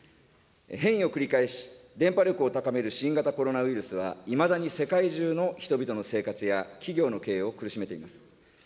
変異を繰り返し、伝ぱ力を高める新型コロナウイルスは、いまだに世界中の人々の生活や企業の経営を苦しめています。